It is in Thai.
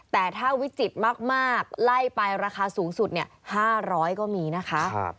แต่ถ้าวิจิตรมากไล่ไปราคาสูงสุด๕๐๐ก็มีนะคะ